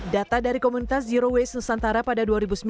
data dari komunitas zero waste nusantara pada dua ribu sembilan belas